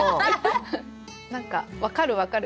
何か「分かる分かる」